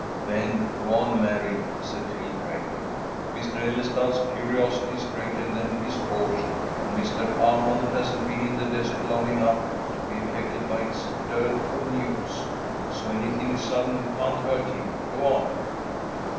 "Then go on, Mary," said Phil, gravely. "Mr. Ellestad's curiosity is greater than his caution, and Mr. Armond hasn't been in the desert long enough to be affected by its dearth of news, so anything sudden can't hurt him. Go on."